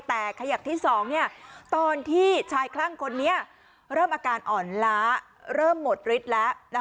แต่ขยักที่๒ตอนที่ชายคลั่งคนนี้เริ่มอาการอ่อนล้าเริ่มหมดฤทธิ์แล้ว